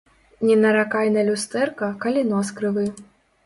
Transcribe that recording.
Не наракай на люстэрка, калі нос крывы